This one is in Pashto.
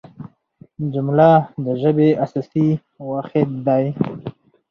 جمله د ژبي اساسي واحد دئ.